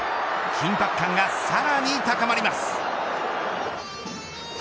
緊迫感がさらに高まります。